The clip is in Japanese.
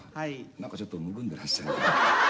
何かちょっとむくんでらっしゃる。